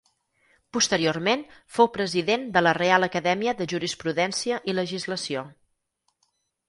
Posteriorment fou president de la Reial Acadèmia de Jurisprudència i Legislació.